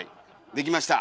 できました！